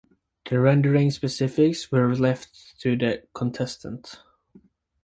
The rendering specifics were left to the contestant.